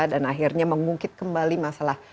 dan akhirnya mengungkit kembali masalah